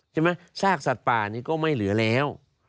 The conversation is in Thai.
ใช่ไหมซากสัตว์ป่านี่ก็ไม่เหลือแล้ว